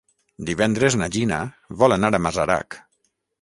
Divendres na Gina vol anar a Masarac.